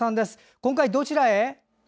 今回、どちらへ？